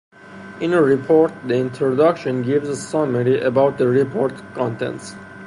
In a report, the introduction gives a summary about the report contents.